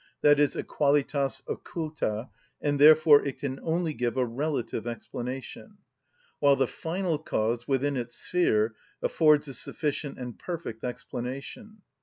_, a qualitas occulta, and, therefore, it can only give a relative explanation; while the final cause within its sphere affords a sufficient and perfect explanation.